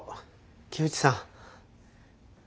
木内さん。